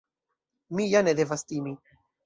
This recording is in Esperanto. Mi ja ne devas timi.